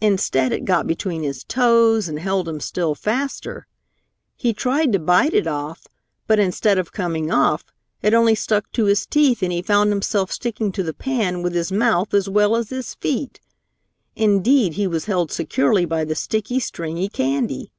Instead it got between his toes and held him still faster. He tried to bite it off, but instead of coming off, it only stuck to his teeth and he found himself sticking to the pan with his mouth as well as his feet. Indeed, he was held securely by the sticky, stringy candy.